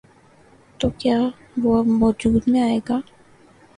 تو کیا وہ اب وجود میں آئے گا؟